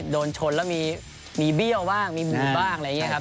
โดนชนแล้วมีเบี้ยวบ้างมีหมูบ้างอะไรอย่างนี้ครับ